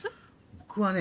僕はね